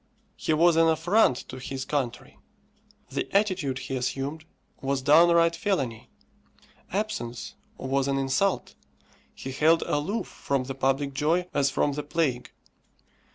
He was an affront to his country. The attitude he assumed was downright felony. Absence was an insult. He held aloof from the public joy as from the plague.